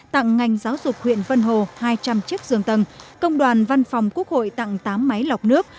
tặng ngành giáo dục huyện vân hồ hai trăm linh chiếc giường tầng công đoàn văn phòng quốc hội tặng tám máy lọc nước